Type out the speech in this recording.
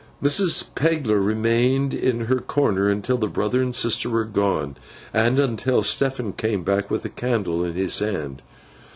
Mrs. Pegler remained in her corner until the brother and sister were gone, and until Stephen came back with the candle in his hand.